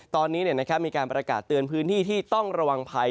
ตอนนี้มีการประกาศเตือนพื้นที่ที่ต้องระวังภัย